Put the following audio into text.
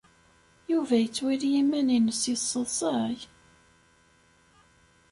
Yuba yettwali iman-nnes yesseḍsay?